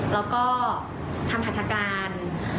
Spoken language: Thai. แล้วก็ทำพัฒนาการ